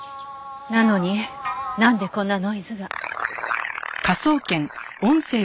なのになんでこんなノイズが？